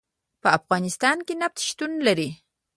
په افغانستان کې نفت شتون لري.